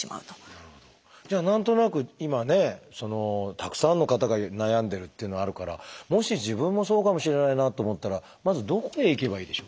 何となく今ねたくさんの方が悩んでるっていうのあるからもし自分もそうかもしれないなと思ったらまずどこへ行けばいいでしょう？